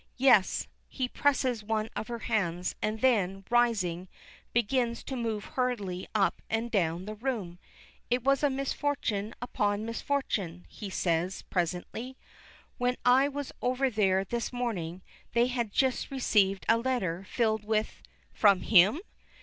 "Yes." He presses one of her hands, and then, rising, begins to move hurriedly up and down the room. "It was misfortune upon misfortune," he says presently. "When I went over there this morning they had just received a letter filled with " "From him!"